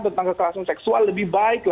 tentang kekerasan seksual lebih baik